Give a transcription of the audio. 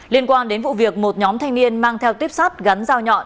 liên quan đến vụ việc một nhóm thanh niên mang theo tiếp sát gắn dao nhọn